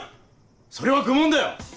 それは愚問だよ！